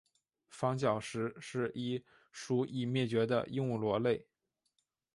房角石是一属已灭绝的鹦鹉螺类。